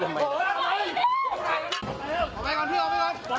เข้าบุกเรือสามารถให้การลงเที่ยวกัน